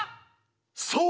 そう！